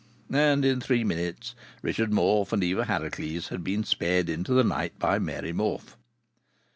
And in three minutes Richard Morfe and Eva Harracles were being sped into the night by Mary Morfe.